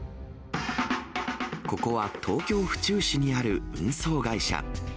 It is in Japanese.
ここは東京・府中市にある運送会社。